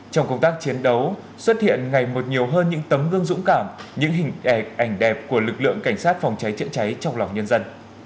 trong công tác chiến đấu xuất hiện ngày một nhiều hơn những tấm gương dũng cảm những hình ảnh đẹp của lực lượng cảnh sát phòng cháy chữa cháy trong lòng nhân dân